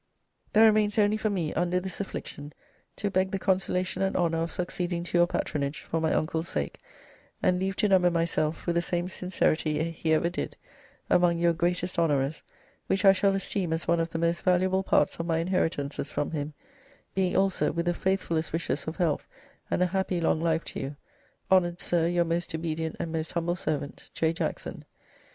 "There remains only for me, under this affliction, to beg the consolation and honour of succeeding to your patronage, for my Uncle's sake; and leave to number myself, with the same sincerity he ever did, among your greatest honourers, which I shall esteem as one of the most valuable parts of my inheritances from him; being also, with the faithfullest wishes of health and a happy long life to you, "Honoured Sir, "Your most obedient and "Most humble Servant, "J. JACKSON.